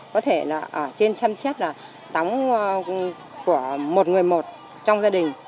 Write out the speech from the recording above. có thể là ở trên xem xét là đóng của một người một trong gia đình